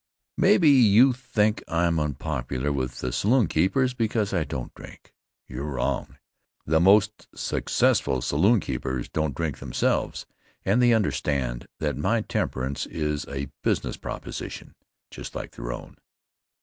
Maybe you think I'm unpopular with the saloonkeepers because 1 don't drink. You're wrong. The most successful saloonkeepers don't drink themselves and they understand that my temperance is a business proposition, just like their own.